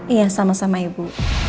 iya sama sama ibu